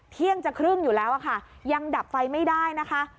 เที่ยงจะครึ่งอยู่แล้วค่ะยังดับไฟไม่ได้นะคะ